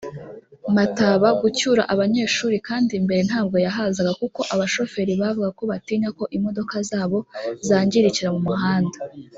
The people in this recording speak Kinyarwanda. Mataba gucyura abanyeshuri kandi mbere ntabwo yahazaga kuko abashoferi bavugaga ko batinya ko imodoka zabo zangirikira mu muhanda